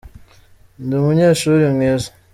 ndi umunyeshuri mwiza